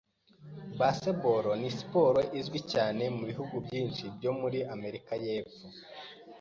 Baseball ni siporo izwi cyane mu bihugu byinshi byo muri Amerika y'Epfo.